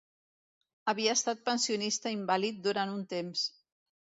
Havia estat pensionista invàlid durant un temps.